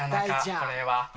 これは。